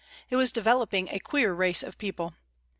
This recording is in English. It was developing a queer race of people.